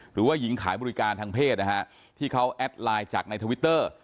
หรือว่าหญิงขายบริการทางเพศนะฮะที่เขาแอดไลน์จากในทวิตเตอร์